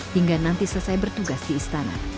hingga nanti selesai bertugas di istana